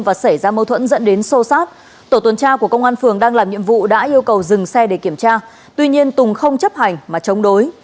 và xảy ra mâu thuẫn dẫn đến sô sát tổ tuần tra của công an phường đang làm nhiệm vụ đã yêu cầu dừng xe để kiểm tra tuy nhiên tùng không chấp hành mà chống đối